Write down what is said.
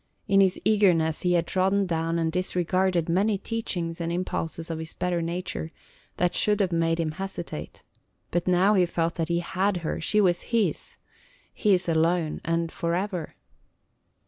In his eagerness he had trodden down and disregarded many teachings and impulses of his better nature that should have made him hesitate; but now he felt that he had her; she was his, – his alone and forever.